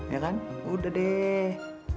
ya kan udah deh